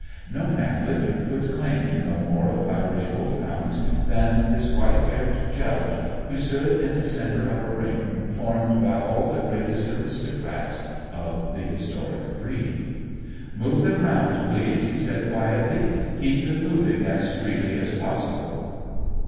No man living could claim to know more of Irish Wolfhounds than this white haired Judge, who stood in the centre of a ring formed by all the greatest aristocrats of the historic breed. "Move them round, please," he said quietly. "Keep them moving as freely as possible."